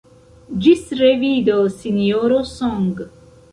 Ĝis revido, Sinjoro Song.